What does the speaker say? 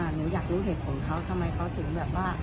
หนูอยากรู้เหตุของเขาทำไมเขาถึงแบบว่า